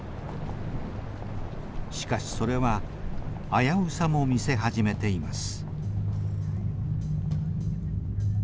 しかしそれは危うさも見せ始めています。